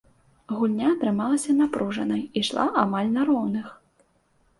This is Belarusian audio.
Гульня атрымалася напружанай і ішла амаль на роўных.